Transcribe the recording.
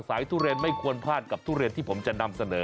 ทุเรียนไม่ควรพลาดกับทุเรียนที่ผมจะนำเสนอ